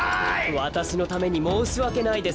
わたしのためにもうしわけないです